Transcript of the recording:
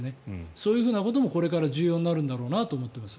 そういうこともこれから重要になるんだろうなと思っています。